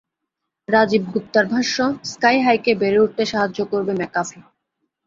রাজীব গুপ্তার ভাষ্য, স্কাইহাইকে বেড়ে উঠতে সাহায্য করবে ম্যাকাফি।